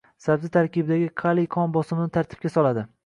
Sabzi tarkibidagi kaliy qon bosimini tartibga soladi